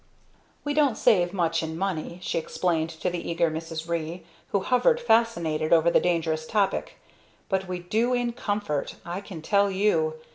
"We don't save much in money," she explained to the eager Mrs. Ree, who hovered, fascinated, over the dangerous topic, "but we do in comfort, I can tell you.